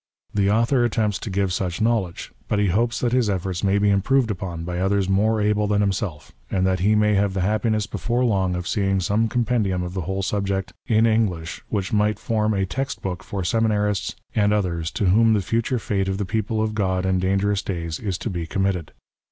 The author attempts to give such knowledge ; but he hopes that his efforts may be improved upon by others more able than himself, and that he may have the happiness before long of seeing some compendium of the whole subject in English which might form a text book for seminarists and others to whom the future fate of the people of God in dangerous days is co be committed.